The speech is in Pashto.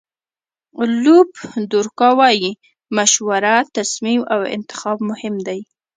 لوپ دورکا وایي مشوره، تصمیم او انتخاب مهم دي.